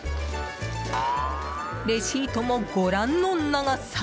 レシートもご覧の長さ。